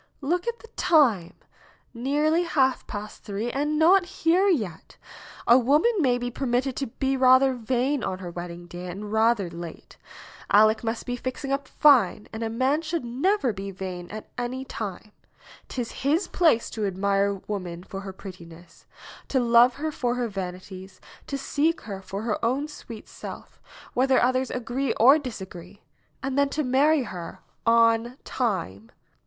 "Look at the time! Nearly half past three, and not here yet ! A woman may 68 NAOMI'S WEDDING BELLS be permitted to be rather vain on her wedding day and rather late. Aleck must be fixing up fine, and a man should never be vain at any time. 'Tis his place to ad mire woman for her prettiness ; to love her for her vani ties; to seek her for her own sweet self, whether others agree or disagree, and then to marry her on time.